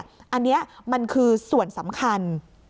อันนี้มันคือส่วนสำคัญ